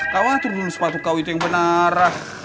kau atur dulu sepatu kau itu yang benar